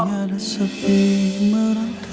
tidak ada sepi merendah